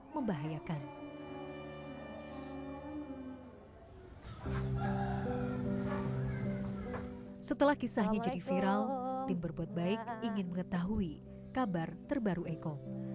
membahayakan setelah kisahnya jadi viral tim berbuat baik ingin mengetahui kabar terbaru eko